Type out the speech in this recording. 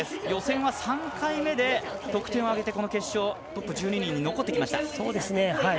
予選は３回目で得点を上げてこの決勝、トップ１２人に残ってきました。